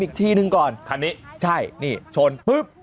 อีกทีหนึ่งก่อนคันนี้ใช่นี่ชนปุ๊บ